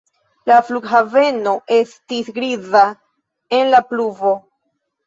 La flughaveno estis griza en la pluvo.